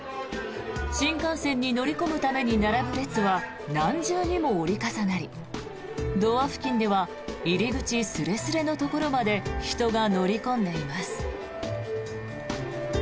新幹線に乗り込むために並ぶ列は何重にも折り重なりドア付近では入り口すれすれのところまで人が乗り込んでいます。